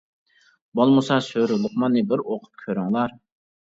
بولمىسا سۈرە لوقماننى بىر ئوقۇپ كۆرۈڭلار!